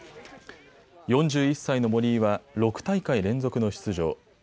４１歳の森井は６大会連続の出場。